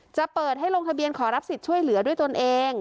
จะเปิดให้ลงทะเบียนขอรับสิทธิ์ช่วยเหลือด้วยตนเอง